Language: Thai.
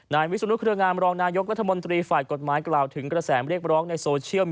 นายวิสุนุทธิ์เครื่องงามรองนายกรัฐมนตรีฝ่ายกฎหมายกล่าวถึงกระแสมเรียกร้องในโซเชียลมีด้วยนะครับ